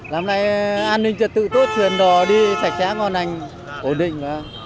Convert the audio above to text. làm lại an ninh trật tự tốt truyền đò đi sạch sẽ ngon lành ổn định